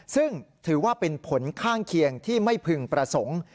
ซึ่งถือว่าเป็นผลข้างเคียงที่ไม่พึงประสงค์